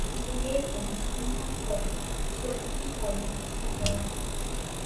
অভিযোগের অনুসন্ধান করে সত্যি বলে ঘোষণা করা হল।